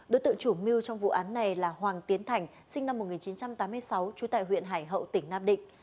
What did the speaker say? đối tượng chủ mưu trong vụ án này là hoàng tiến thành sinh năm một nghìn chín trăm tám mươi sáu trú tại huyện hải hậu tỉnh nam định